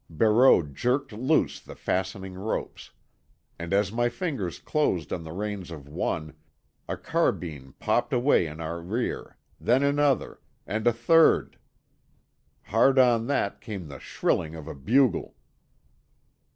Barreau jerked loose the fastening ropes. And as my fingers closed on the reins of one, a carbine popped away in our rear, then another, and a third. Hard on that came the shrilling of a bugle.